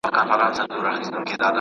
يوازي ژوند د چا لپاره اسانه وي؟